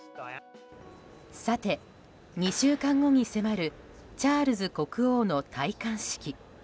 さて、２週間後に迫るチャールズ国王の戴冠式。